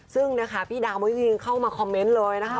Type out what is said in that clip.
ซึ่งนะคะพี่ดาวเมื่อกี้ยังเข้ามาคอมเมนต์เลยนะคะ